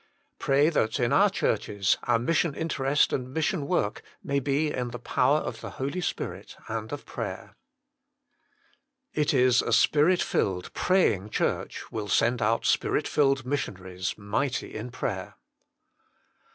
Pray that in our churches our mission interest and mission work may be in the power of the Holy Spirit and of prayer. It is a Spirit filled, praying Church will send out Spirit filled missionaries, mighty in prayer.